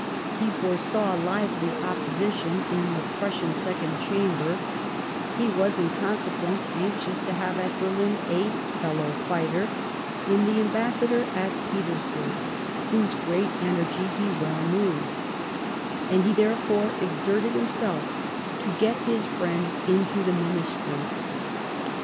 He foresaw lively opposition in the Prussian Second Chamber ; he was, in consequence, anxious to have at Berlin a fellow fighter in the Ambassador at Petersburg, whose great energy he well knew ; and he there fore exerted himself to get his friend into the Ministry.